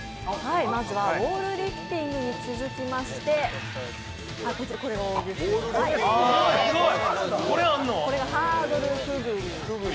まずはウォールリフティングに続きましてこれがハードルくぐり。